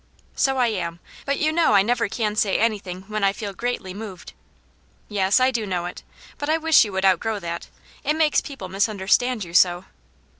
" So I am. But you know I never can say any thing when I feel greatly moved." " Yes, I do know it. But I wish you would out grow that. It makes people misunderstand you so."